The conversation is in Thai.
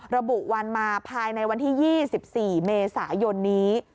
ระบุวันมาภายในวันที่๒๔เมษายนนี้